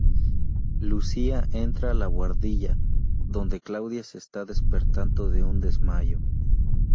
Lucía entra a la buhardilla, donde Claudia se está despertando de un desmayo.